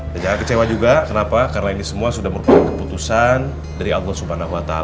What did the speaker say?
dan jangan kecewa juga kenapa karena ini semua sudah merupakan keputusan dari allah swt